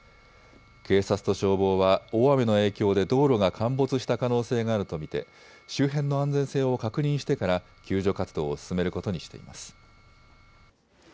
警察と消防は大雨の影響で道路が陥没した可能性があると見て周辺の安全性を確認してから救助活動を進めることにしています。